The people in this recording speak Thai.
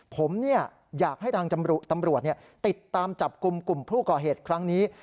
ผมอยากให้ทางตำรวจติดตามจับกลุ่มกลุ่มผู้ก่อเหตุครั้งนี้